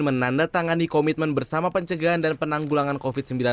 menandatangani komitmen bersama pencegahan dan penanggulangan covid sembilan belas